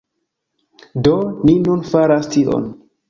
Do, ni nun faras tion